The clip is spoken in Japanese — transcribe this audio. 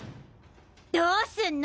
どすんの？